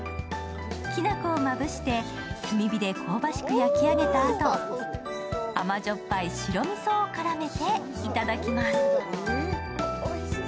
きな粉をまぶして炭火で香ばしく焼き上げたあと、甘じょっぱい白みそを絡めて頂きます。